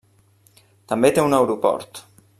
També té un aeroport.